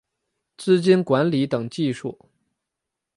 资金管理等技术